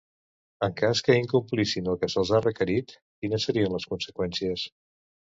En cas que incomplissin el que se'ls ha requerit, quines serien les conseqüències?